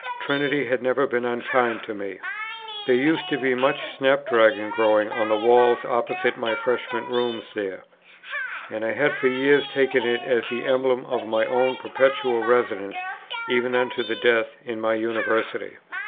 Trinity had never been unkind to me. There used to be much snap dragon growing on the walls opposite my freshman's rooms there, and I had for years taken it as the emblem of my own perpetual residence even unto death in my University.